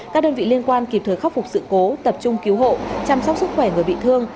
các đơn vị liên quan kịp thời khắc phục sự cố tập trung cứu hộ chăm sóc sức khỏe người bị thương